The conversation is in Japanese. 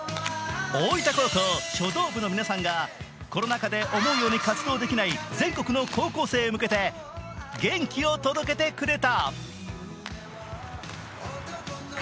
大分高校書道部の皆さんがコロナ禍で思うように活動できない全国の高校生に向けて、元気を届けてくれた。